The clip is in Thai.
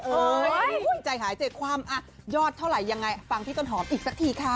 เอ่ยใจหายเจ็ดความอ่ะยอดเท่าไรยังไงฟังพี่ต้นหอมอีกสักทีค่ะ